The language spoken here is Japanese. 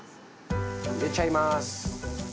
入れちゃいます。